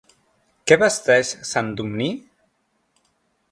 Què vesteix Sant Domní?